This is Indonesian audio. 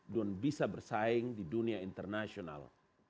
dan bisa bersaing di dunia internasional